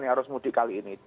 yang harus mudik kali ini